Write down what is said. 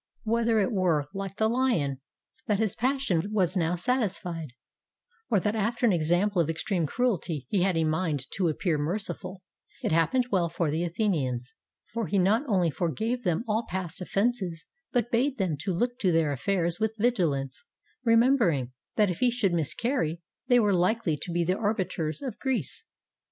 Whether 191 GREECE it were, like the lion, that his passion was now satisfied, or that after an example of extreme cruelty he had a mind to appear merciful, it happened well for the Athen ians; for he not only forgave them all past offences, but bade them to look to their affairs with vigilance, remem bering that if he should miscarry, they were likely to be the arbiters of Greece.